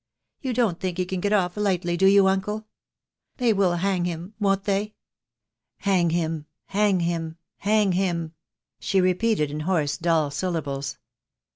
You don't think he can get off lightly, do you, uncle? They will hang him, won't they? Hang him — hang him — hang him," she repeated, in hoarse dull syllables.